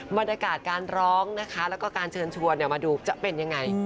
บรรยากาศการร้องนะคะแล้วก็การเชิญชวนมาดูจะเป็นยังไง